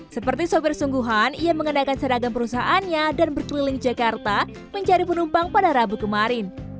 seperti sopir sungguhan ia mengenakan seragam perusahaannya dan berkeliling jakarta mencari penumpang pada rabu kemarin